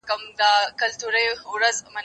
هغه وويل چي کالي پاک دي،